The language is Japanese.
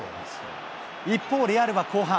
一方、レアルは後半、